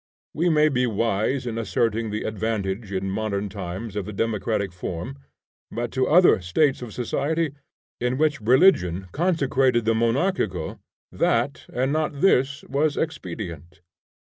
We may be wise in asserting the advantage in modern times of the democratic form, but to other states of society, in which religion consecrated the monarchical, that and not this was expedient.